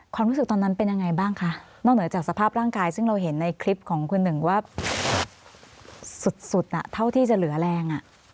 ความรู้สึกตอนนั้นเป็นยังไงบ้างคะนอกเหนือจากสภาพร่างกายซึ่งเราเห็นในคลิปของคุณหนึ่งว่าสุดเท่าที่จะเหลือแรง